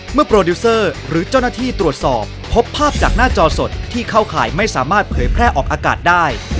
โปรดิวเซอร์หรือเจ้าหน้าที่ตรวจสอบพบภาพจากหน้าจอสดที่เข้าข่ายไม่สามารถเผยแพร่ออกอากาศได้